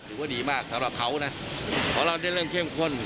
หรือว่าดีมากสำแต่ว่าเขานะผมเอาเรื่องเล่มเข้มข้น